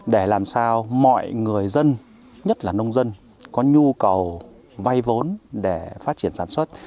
để làm sao mọi người dân nhất là nông dân có nhu cầu vay vốn để phát triển sản xuất